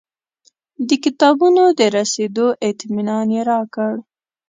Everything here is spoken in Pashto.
د کتابونو د رسېدو اطمنان یې راکړ.